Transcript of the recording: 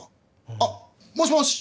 あっもしもし？